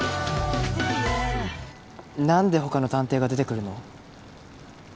なんで他の探偵が出てくるの？